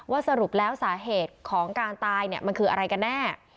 สรุปแล้วสาเหตุของการตายมันคืออะไรกันแน่